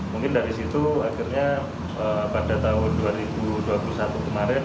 mungkin dari situ akhirnya pada tahun dua ribu dua puluh satu kemarin